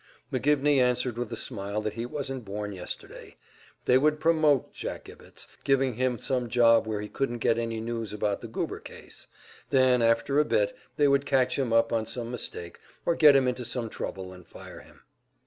McGivney answered with a smile that he wasn't born yesterday. They would "promote" Jack Ibbetts, giving him some job where he couldn't get any news about the Goober case; then, after a bit, they would catch him up on some mistake, or get him into some trouble, and fire him.